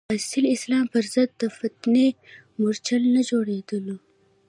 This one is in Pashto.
د اصیل اسلام پر ضد د فتنې مورچل نه جوړېدلو.